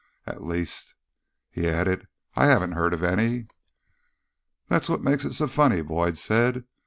At least," he added, "I haven't heard of any." "That's what makes it so funny," Boyd said.